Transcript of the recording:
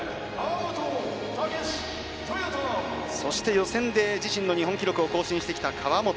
予選で自信の日本記録を更新してきた川本。